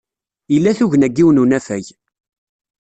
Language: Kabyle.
Ila tugna n yiwen n unafag.